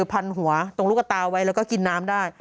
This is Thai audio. พันหัวตรงลูกตาไว้แล้วก็กินน้ำได้